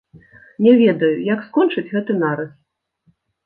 Не ведаю, як скончыць гэты нарыс.